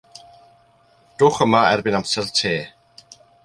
Dowch yma erbyn amser te.